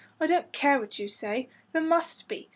I don't care what you say. There must be.